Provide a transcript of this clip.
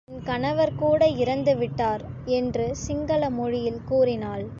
என் கணவர் கூட இறந்துவிட்டார். என்று சிங்கள மொழியில் கூறினாள்.